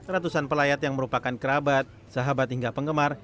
ratusan pelayat yang merupakan kerabat sahabat hingga penggemar